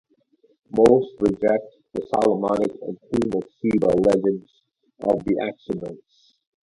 Most reject the "Solomonic" and "Queen of Sheba" legends of the Aksumites.